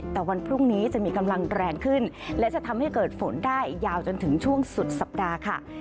แต่วันพรุ่งนี้จะมีกำลังแรงขึ้นและจะทำให้เกิดฝนได้ยาวจนถึงช่วงสุดสัปดาห์ค่ะ